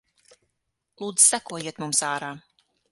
Lūdzu sekojiet mums ārā.